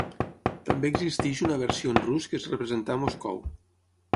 També existeix una versió en rus que es representà a Moscou.